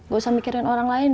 gak usah mikirin orang lain